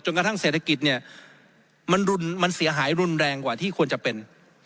กระทั่งเศรษฐกิจเนี่ยมันเสียหายรุนแรงกว่าที่ควรจะเป็น